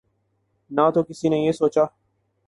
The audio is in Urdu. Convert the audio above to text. نہ تو کسی نے یہ سوچا